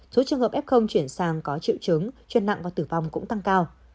số trường hợp f chuyển sang có triệu chứng chuyển nặng và tử vong cũng tăng cao